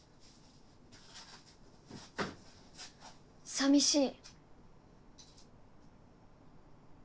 さみしい。